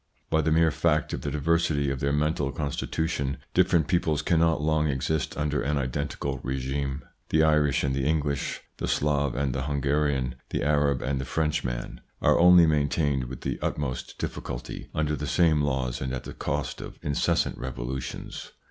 By the mere fact of the diversity of their mental constitution, different peoples cannot long exist under an identical regime. The Irish and the English, the Slav and the Hungarian, the Arab and the French man, are only maintained with the utmost difficulty ITS INFLUENCE ON THEIR EVOLUTION 137 under the same laws and at the cost of incessant revolutions.